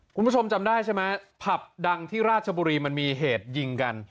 คุณผู้ชมจำได้ใช่ไหมผับดังที่ราชบุรีมันมีเหตุยิงกัน